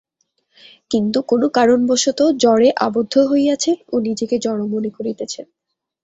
কিন্তু কোন কারণবশত জড়ে আবদ্ধ হইয়াছেন ও নিজেকে জড় মনে করিতেছেন।